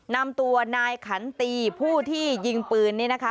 นำตัวนายขันตีผู้ที่ยิงปืนนี่นะคะ